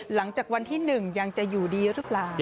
หลังจากวันที่๑ยังจะอยู่ดีหรือเปล่า